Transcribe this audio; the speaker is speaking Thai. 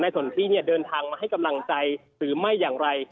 สนทิเนี่ยเดินทางมาให้กำลังใจหรือไม่อย่างไร